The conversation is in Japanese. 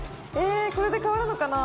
これで変わるのかな？